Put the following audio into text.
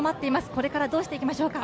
これからどうしていきましょうか。